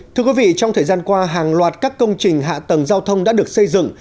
thưa quý vị trong thời gian qua hàng loạt các công trình hạ tầng giao thông đã được xây dựng